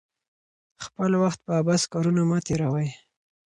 خپل وخت په عبث کارونو مه تیروئ.